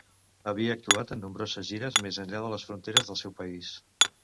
Havia actuat en nombroses gires més enllà de les fronteres del seu país.